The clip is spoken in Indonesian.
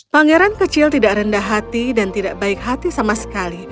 pangeran kecil tidak rendah hati dan tidak baik hati sama sekali